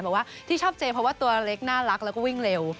บอกว่าที่ชอบเจเพราะว่าตัวเล็กน่ารักแล้วก็วิ่งเร็ว